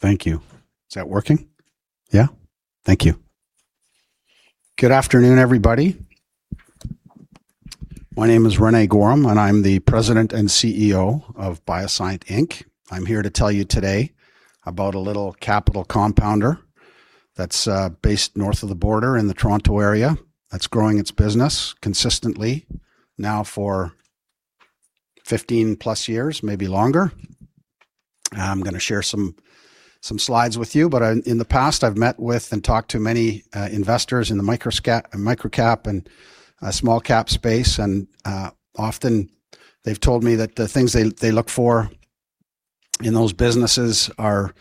Thank you. Is that working? Yeah? Thank you. Good afternoon, everybody. My name is René Goehrum, and I'm the President and CEO of BioSyent Inc. I'm here to tell you today about a little capital compounder that's based north of the border in the Toronto area, that's growing its business consistently now for 15+ years, maybe longer. I'm going to share some slides with you. In the past, I've met with and talked to many investors in the microcap and small cap space, and often they've told me that the things they look for in those businesses are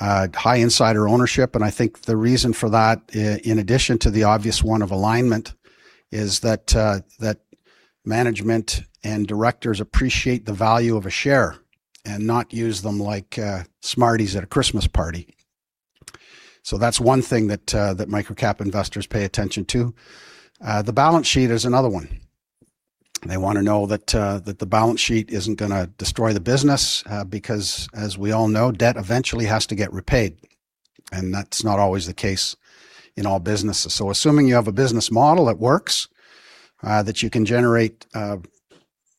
high insider ownership, and I think the reason for that, in addition to the obvious one of alignment, is that management and directors appreciate the value of a share and not use them like Smarties at a Christmas party. That's one thing that microcap investors pay attention to. The balance sheet is another one. They want to know that the balance sheet isn't going to destroy the business, because, as we all know, debt eventually has to get repaid, and that's not always the case in all businesses. Assuming you have a business model that works, that you can generate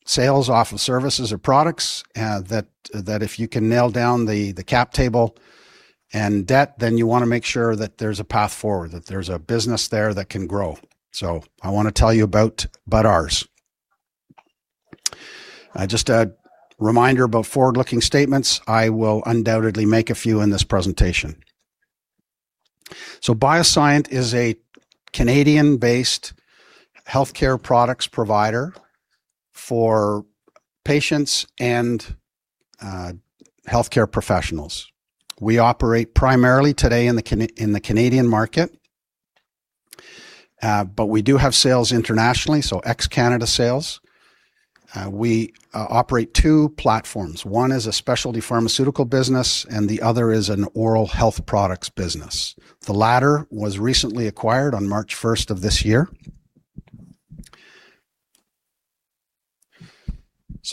sales off of services or products, that if you can nail down the cap table and debt, then you want to make sure that there's a path forward, that there's a business there that can grow. I want to tell you about ours. Just a reminder about forward-looking statements. I will undoubtedly make a few in this presentation. BioSyent is a Canadian-based healthcare products provider for patients and healthcare professionals. We operate primarily today in the Canadian market, but we do have sales internationally, ex-Canada sales. We operate two platforms. One is a specialty pharmaceutical business, and the other is an oral health products business. The latter was recently acquired on March 1st of this year.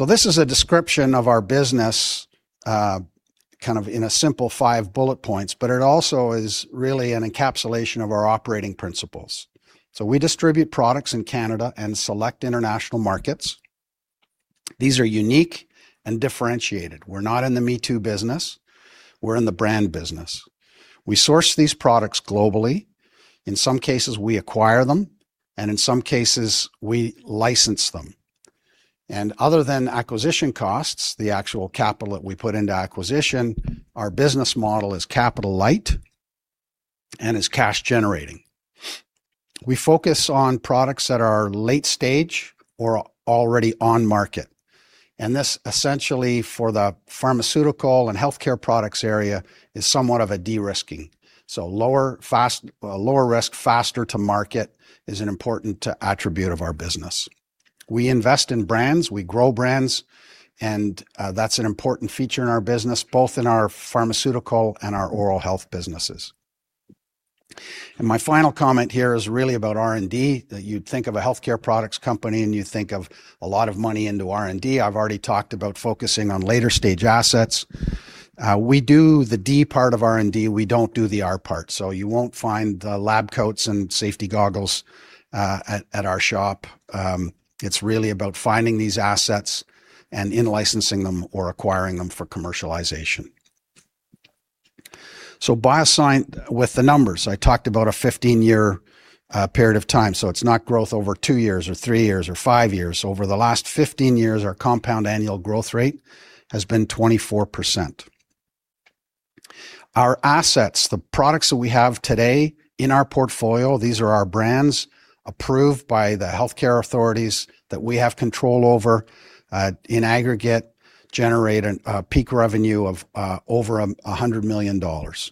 This is a description of our business in a simple five bullet points, but it also is really an encapsulation of our operating principles. We distribute products in Canada and select international markets. These are unique and differentiated. We're not in the me-too business. We're in the brand business. We source these products globally. In some cases, we acquire them, and in some cases, we license them. Other than acquisition costs, the actual capital that we put into acquisition, our business model is capital-light and is cash-generating. We focus on products that are late-stage or already on market. This essentially for the pharmaceutical and healthcare products area is somewhat of a de-risking. Lower risk, faster to market, is an important attribute of our business. We invest in brands, we grow brands, and that's an important feature in our business, both in our pharmaceutical and our oral health businesses. My final comment here is really about R&D, that you'd think of a healthcare products company, and you think of a lot of money into R&D. I've already talked about focusing on later-stage assets. We do the D part of R&D. We don't do the R part. You won't find the lab coats and safety goggles at our shop. It's really about finding these assets and in-licensing them or acquiring them for commercialization. BioSyent with the numbers. I talked about a 15-year period of time. It's not growth over two years or three years or five years. Over the last 15 years, our compound annual growth rate has been 24%. Our assets, the products that we have today in our portfolio, these are our brands approved by the healthcare authorities that we have control over, in aggregate, generate a peak revenue of over 100 million dollars.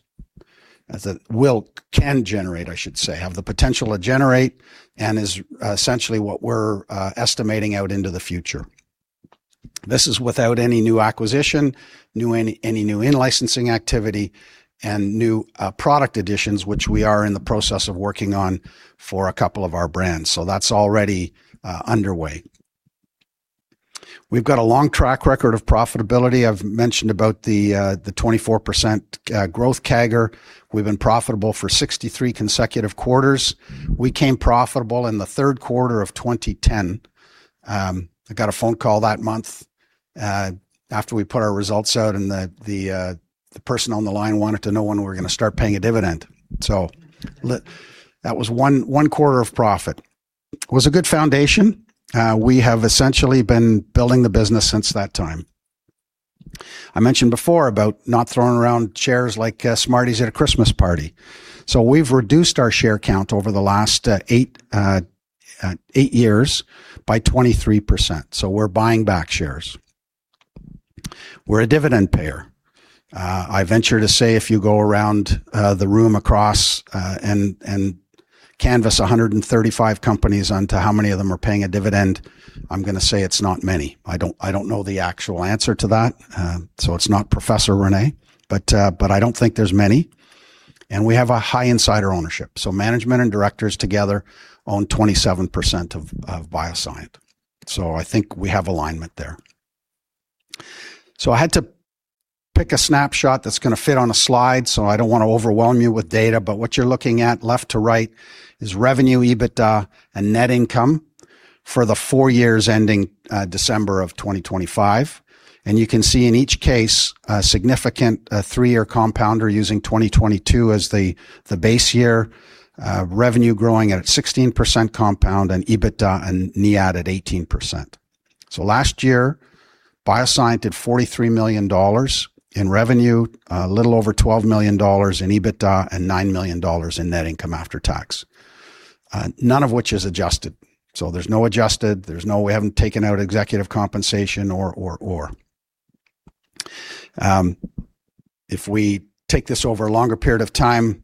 That will, can generate, I should say. Have the potential to generate, and is essentially what we're estimating out into the future. This is without any new acquisition, any new in-licensing activity, and new product additions, which we are in the process of working on for a couple of our brands. That's already underway. We've got a long track record of profitability. I've mentioned about the 24% growth CAGR. We've been profitable for 63 consecutive quarters. We came profitable in the third quarter of 2010. I got a phone call that month, after we put our results out, the person on the line wanted to know when we were going to start paying a dividend. That was one quarter of profit. Was a good foundation. We have essentially been building the business since that time. I mentioned before about not throwing around shares like Smarties at a Christmas party. We've reduced our share count over the last eight years by 23%. We're buying back shares. We're a dividend payer. I venture to say if you go around the room, across and canvas 135 companies on to how many of them are paying a dividend, I'm going to say it's not many. I don't know the actual answer to that. It's not Professor René, but I don't think there's many. And we have a high insider ownership. Management and directors together own 27% of BioSyent. I think we have alignment there. I had to pick a snapshot that's going to fit on a slide. I don't want to overwhelm you with data, but what you're looking at left to right is revenue, EBITDA, and net income for the four years ending December of 2025. You can see in each case a significant three-year compounder using 2022 as the base year. Revenue growing at a 16% compound, and EBITDA and NIAT at 18%. Last year, BioSyent did 43 million dollars in revenue, a little over 12 million dollars in EBITDA, and 9 million dollars in net income after tax. None of which is adjusted. There's no adjusted, we haven't taken out executive compensation. If we take this over a longer period of time,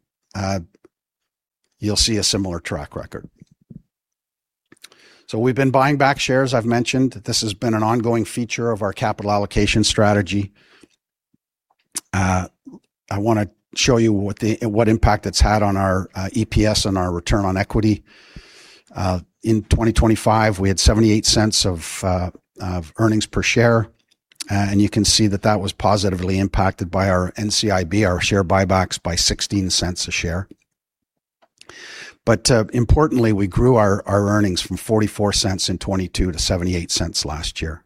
you'll see a similar track record. We've been buying back shares. I've mentioned that this has been an ongoing feature of our capital allocation strategy. I want to show you what impact it's had on our EPS and our return on equity. In 2025, we had 0.78 of earnings per share. You can see that that was positively impacted by our NCIB, our share buybacks, by 0.16 a share. Importantly, we grew our earnings from 0.44 in 2022 to 0.78 last year.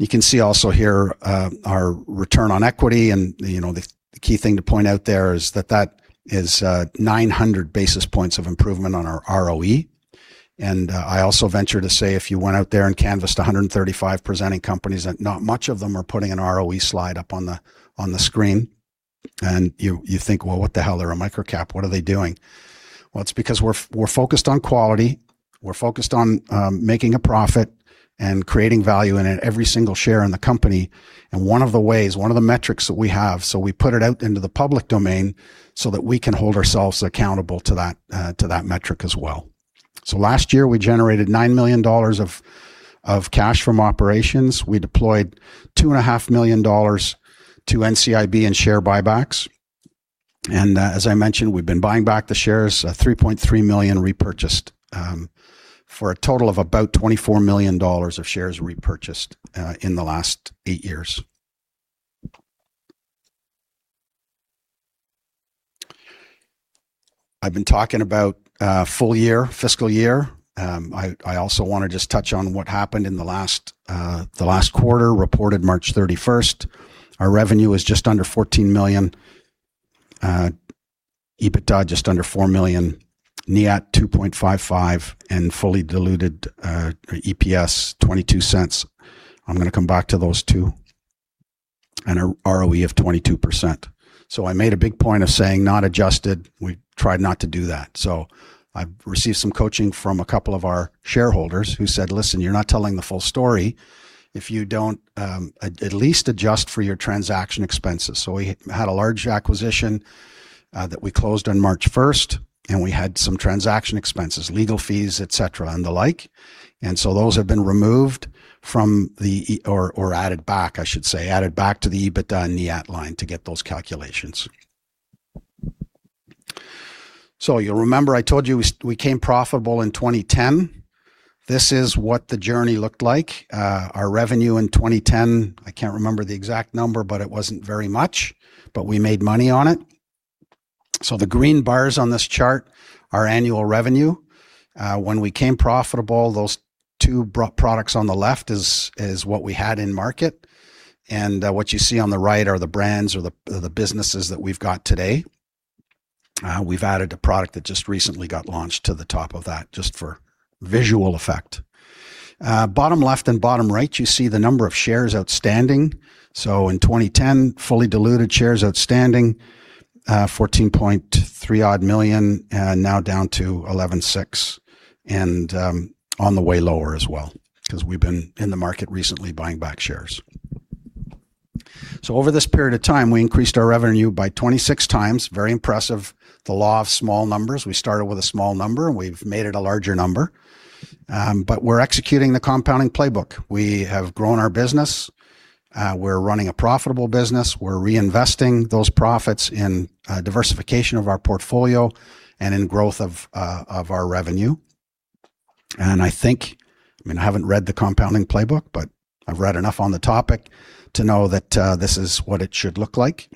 You can see also here, our return on equity, and the key thing to point out there is that that is 900 basis points of improvement on our ROE. I also venture to say if you went out there and canvassed 135 presenting companies, that not much of them are putting an ROE slide up on the screen. You think, "Well, what the hell? They're a microcap. What are they doing? It's because we're focused on quality, we're focused on making a profit, and creating value in it, every single share in the company. One of the ways, one of the metrics that we have, we put it out into the public domain so that we can hold ourselves accountable to that metric as well. Last year, we generated 9 million dollars of cash from operations. We deployed 2.5 million dollars to NCIB and share buybacks. As I mentioned, we've been buying back the shares, 3.3 million repurchased, for a total of about 24 million dollars of shares repurchased in the last eight years. I've been talking about full year, fiscal year. I also want to just touch on what happened in the last quarter reported March 31st. Our revenue was just under 14 million. EBITDA, just under 4 million, NIAT 2.55, fully diluted EPS 0.22. I'm going to come back to those two. A ROE of 22%. I made a big point of saying not adjusted. We tried not to do that. I've received some coaching from a couple of our shareholders who said, "Listen, you're not telling the full story if you don't at least adjust for your transaction expenses." We had a large acquisition that we closed on March 1st, and we had some transaction expenses, legal fees, et cetera, and the like. Those have been removed or added back, I should say, added back to the EBITDA and NIAT line to get those calculations. You'll remember, I told you we came profitable in 2010. This is what the journey looked like. Our revenue in 2010, I can't remember the exact number, but it wasn't very much. We made money on it. The green bars on this chart are annual revenue. When we came profitable, those two products on the left is what we had in market. What you see on the right are the brands or the businesses that we've got today. We've added a product that just recently got launched to the top of that, just for visual effect. Bottom left and bottom right, you see the number of shares outstanding. In 2010, fully diluted shares outstanding, 14.3 million, and now down to 11.6 million. On the way lower as well because we've been in the market recently buying back shares. Over this period of time, we increased our revenue by 26x. Very impressive. The law of small numbers. We started with a small number, and we've made it a larger number. We're executing the compounding playbook. We have grown our business. We're running a profitable business. We're reinvesting those profits in diversification of our portfolio and in growth of our revenue. I think I haven't read the compounding playbook, I've read enough on the topic to know that this is what it should look like.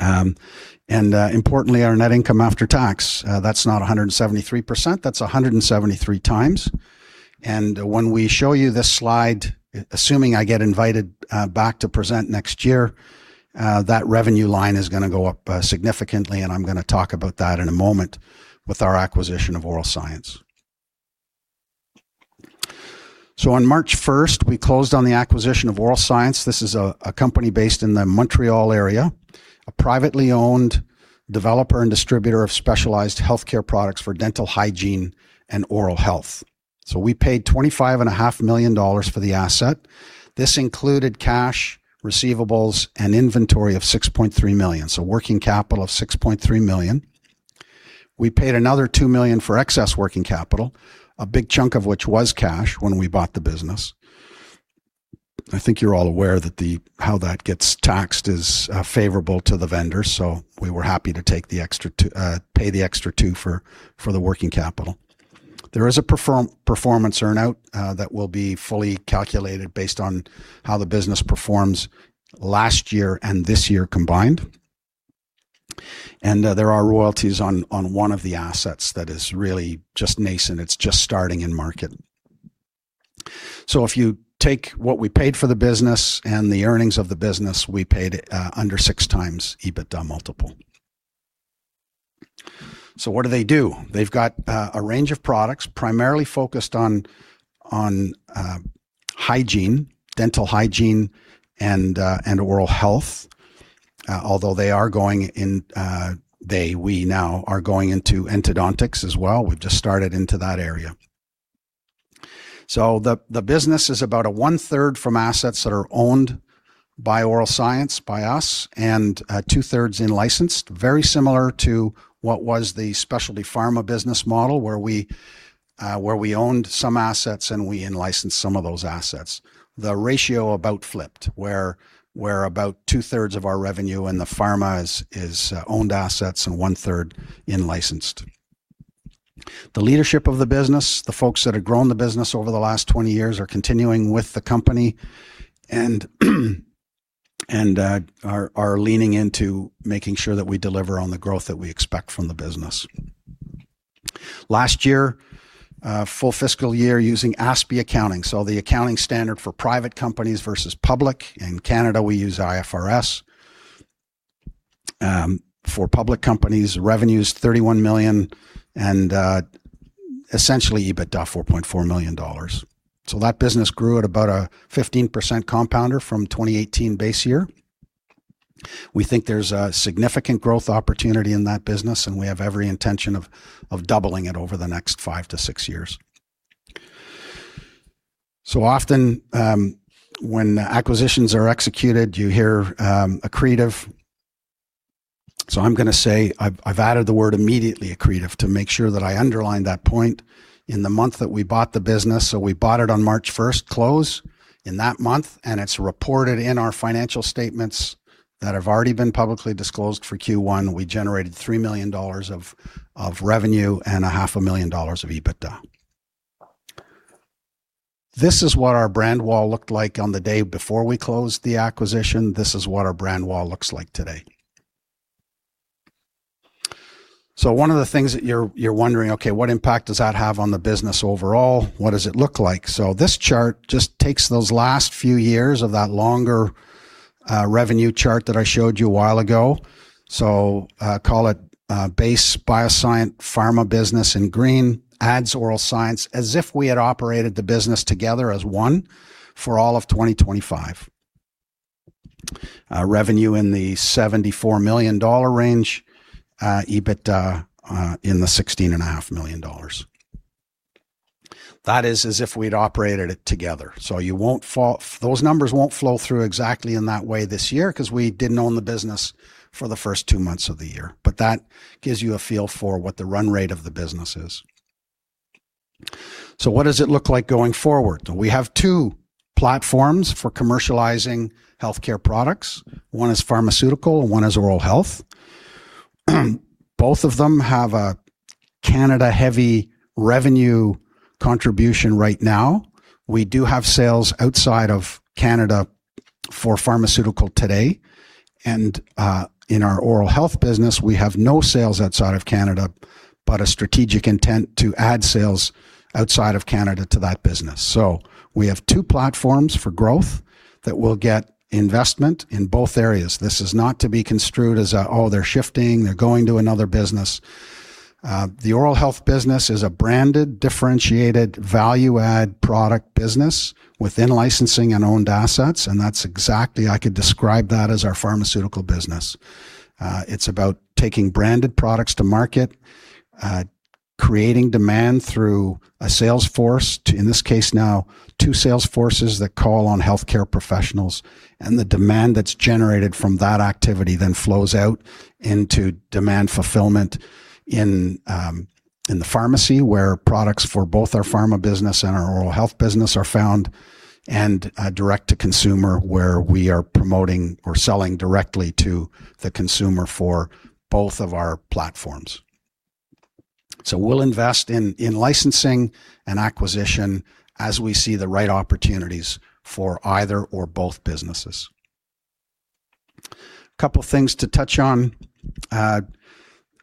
Importantly, our net income after tax, that's not 173%, that's 173x. When we show you this slide, assuming I get invited back to present next year, that revenue line is going to go up significantly, and I'm going to talk about that in a moment with our acquisition of Oral Science. On March 1st, we closed on the acquisition of Oral Science. This is a company based in the Montreal area, a privately owned developer and distributor of specialized healthcare products for dental hygiene and oral health. We paid 25.5 million dollars for the asset. This included cash, receivables, and inventory of 6.3 million. Working capital of 6.3 million. We paid another 2 million for excess working capital, a big chunk of which was cash when we bought the business. I think you're all aware that how that gets taxed is favorable to the vendor. We were happy to pay the extra 2 for the working capital. There is a performance earn-out that will be fully calculated based on how the business performs last year and this year combined. There are royalties on one of the assets that is really just nascent. It's just starting in market. If you take what we paid for the business and the earnings of the business, we paid under 6x EBITDA multiple. What do they do? They've got a range of products primarily focused on hygiene, dental hygiene, and oral health. Although we now, are going into endodontics as well. We've just started into that area. The business is about one-third from assets that are owned by Oral Science, by us, and two-thirds in-licensed. Very similar to what was the specialty pharma business model, where we owned some assets and we in-licensed some of those assets. The ratio about flipped, where about two-thirds of our revenue in the pharma is owned assets and one-third in-licensed. The leadership of the business, the folks that have grown the business over the last 20 years, are continuing with the company and are leaning into making sure that we deliver on the growth that we expect from the business. Last year, full fiscal year using ASPE accounting, the accounting standard for private companies versus public. In Canada, we use IFRS. For public companies, revenue is 31 million, and essentially EBITDA 4.4 million dollars. That business grew at about a 15% compounder from 2018 base year. We think there's a significant growth opportunity in that business, and we have every intention of doubling it over the next five to six years. Often, when acquisitions are executed, you hear accretive. I'm going to say I've added the word immediately accretive to make sure that I underline that point. In the month that we bought the business, we bought it on March 1st, close in that month, it's reported in our financial statements that have already been publicly disclosed for Q1, we generated 3 million dollars of revenue and 500,000 dollars of EBITDA. This is what our brand wall looked like on the day before we closed the acquisition. This is what our brand wall looks like today. One of the things that you're wondering, okay, what impact does that have on the business overall? What does it look like? This chart just takes those last few years of that longer revenue chart that I showed you a while ago. Call it base BioSyent pharma business in green, adds Oral Science as if we had operated the business together as one for all of 2025. Revenue in the 74 million dollar range, EBITDA in the 16.5 million dollars. That is as if we'd operated it together. Those numbers won't flow through exactly in that way this year because we didn't own the business for the first two months of the year. That gives you a feel for what the run rate of the business is. What does it look like going forward? We have two platforms for commercializing healthcare products. One is pharmaceutical, and one is oral health. Both of them have a Canada-heavy revenue contribution right now. We do have sales outside of Canada for pharmaceutical today. In our oral health business, we have no sales outside of Canada, but a strategic intent to add sales outside of Canada to that business. We have two platforms for growth that will get investment in both areas. This is not to be construed as, oh, they're shifting, they're going to another business. The oral health business is a branded, differentiated, value-add product business within licensing and owned assets, and that's exactly I could describe that as our pharmaceutical business. It's about taking branded products to market, creating demand through a sales force to, in this case now, two sales forces that call on healthcare professionals, and the demand that's generated from that activity then flows out into demand fulfillment in the pharmacy where products for both our pharma business and our oral health business are found, and direct-to-consumer, where we are promoting or selling directly to the consumer for both of our platforms. We'll invest in licensing and acquisition as we see the right opportunities for either or both businesses. A couple things to touch on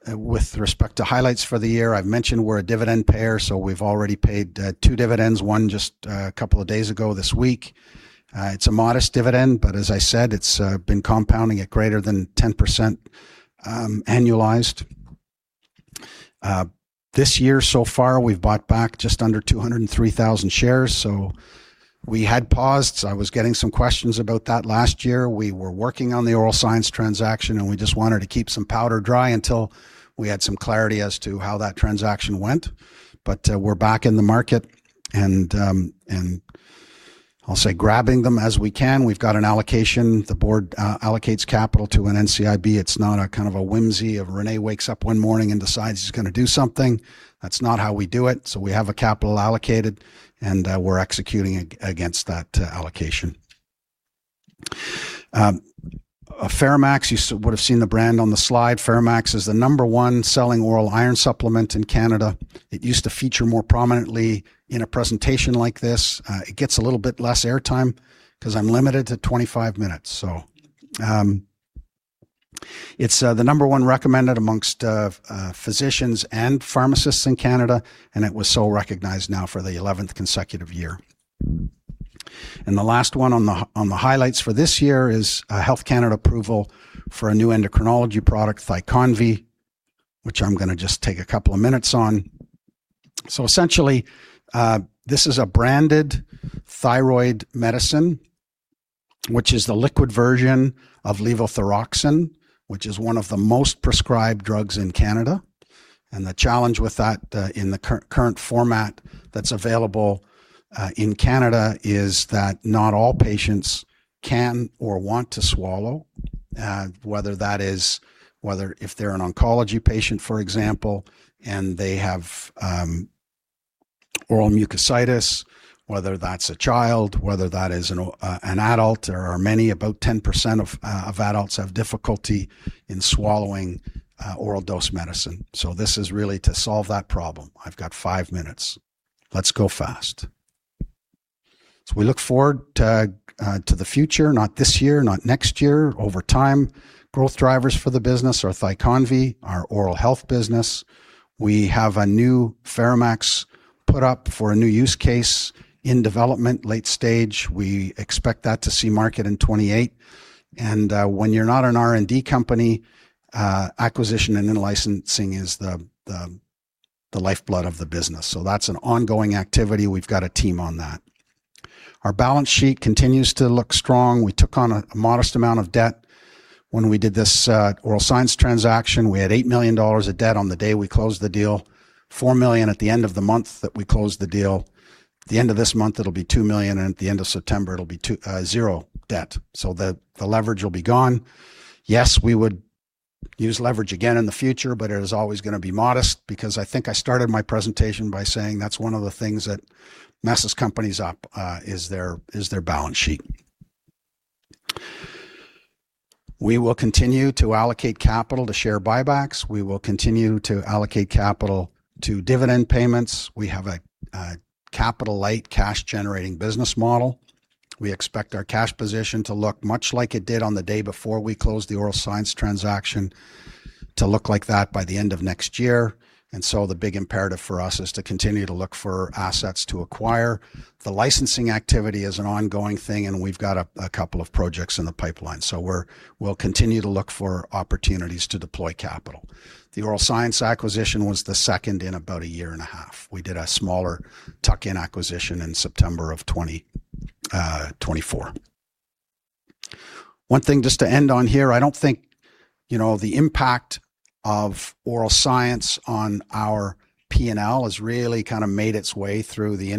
with respect to highlights for the year. I've mentioned we're a dividend payer, we've already paid two dividends, one just a couple of days ago this week. It's a modest dividend, but as I said, it's been compounding at greater than 10% annualized. This year so far, we've bought back just under 203,000 shares. We had paused. I was getting some questions about that last year. We were working on the Oral Science transaction, and we just wanted to keep some powder dry until we had some clarity as to how that transaction went. We're back in the market, and I'll say grabbing them as we can. We've got an allocation. The board allocates capital to an NCIB. It's not a kind of a whimsy of René wakes up one morning and decides he's going to do something. That's not how we do it. We have a capital allocated, we're executing against that allocation. FeraMAX, you would have seen the brand on the slide. FeraMAX is the number one selling oral iron supplement in Canada. It used to feature more prominently in a presentation like this. It gets a little bit less airtime because I'm limited to 25 minutes. It's the number one recommended amongst physicians and pharmacists in Canada, and it was so recognized now for the 11th consecutive year. The last one on the highlights for this year is a Health Canada approval for a new endocrinology product, THYCONVI, which I'm going to just take a couple of minutes on. Essentially, this is a branded thyroid medicine, which is the liquid version of levothyroxine, which is one of the most prescribed drugs in Canada. The challenge with that in the current format that's available in Canada is that not all patients can or want to swallow, whether if they're an oncology patient, for example, and they have oral mucositis, whether that's a child, whether that is an adult. There are many, about 10% of adults have difficulty in swallowing oral dose medicine. This is really to solve that problem. I have five minutes. Let's go fast. We look forward to the future, not this year, not next year, over time. Growth drivers for the business are THYCONVI, our oral health business. We have a new FeraMAX put up for a new use case in development, late stage. We expect that to see market in 2028. When you're not an R&D company, acquisition and in-licensing is the lifeblood of the business. That's an ongoing activity. We've got a team on that. Our balance sheet continues to look strong. We took on a modest amount of debt when we did this Oral Science transaction. We had 8 million dollars of debt on the day we closed the deal, 4 million at the end of the month that we closed the deal. At the end of this month, it'll be 2 million, and at the end of September, it'll be zero debt, so the leverage will be gone. Yes, we would use leverage again in the future, it is always going to be modest because I think I started my presentation by saying that's one of the things that messes companies up, is their balance sheet. We will continue to allocate capital to share buybacks. We will continue to allocate capital to dividend payments. We have a capital-light cash-generating business model. We expect our cash position to look much like it did on the day before we closed the Oral Science transaction, to look like that by the end of next year. The big imperative for us is to continue to look for assets to acquire. The licensing activity is an ongoing thing, and we've got a couple of projects in the pipeline. We'll continue to look for opportunities to deploy capital. The Oral Science acquisition was the second in about a year and a half. We did a smaller tuck-in acquisition in September of 2024. One thing just to end on here, I don't think the impact of Oral Science on our P&L has really made its way through the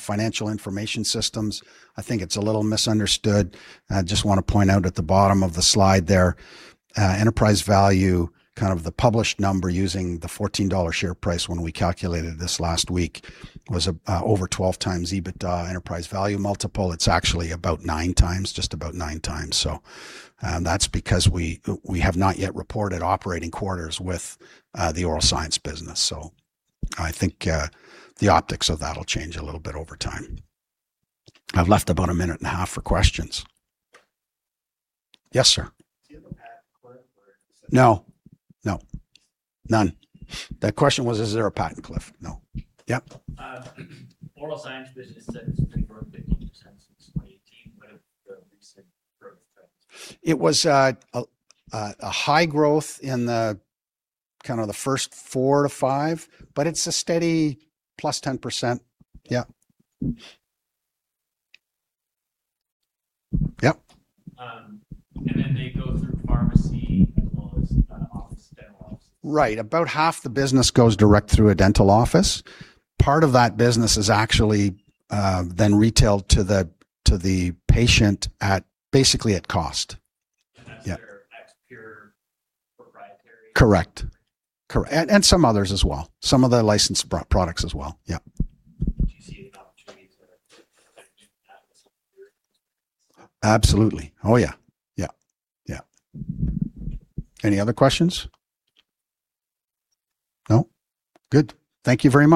financial information systems. I think it's a little misunderstood. I just want to point out at the bottom of the slide, there, enterprise value, the published number using the 14 dollar share price when we calculated this last week was over 12x EBITDA enterprise value multiple. It's actually about 9x, just about 9x. That's because we have not yet reported operating quarters with the Oral Science business. I think the optics of that will change a little bit over time. I've left about a minute and a half for questions. Yes, sir. No. No. None. The question was, is there a patent cliff? No. Yep. Oral Science business said it's been growing 15% since 2018. What are the recent growth trends? It was a high growth in the first four to five, but it's a steady +10%. Yep. Yep. Then they go through pharmacy as well as office, dental office? Right. About half the business goes direct through a dental office. Part of that business is actually then retailed to the patient, basically at cost. Yep. That's their ex-peer Correct. Some others as well. Some of the licensed products as well. Yep. Absolutely. Oh, yeah. Any other questions? No? Good. Thank you very much.